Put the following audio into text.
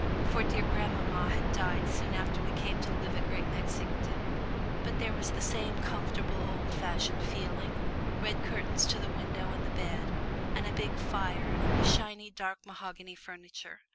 For dear grandmamma had died soon after we came to live at Great Mexington. But there was the same comfortable old fashioned feeling: red curtains to the window and the bed, and a big fire and the shiny dark mahogany furniture.